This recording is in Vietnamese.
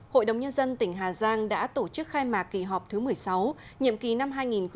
hội đồng nhân dân tỉnh hà giang đã tổ chức khai mạc kỳ họp thứ một mươi sáu nhiệm kỳ năm hai nghìn một mươi sáu hai nghìn hai mươi một